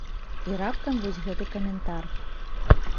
І раптам вось гэты каментар.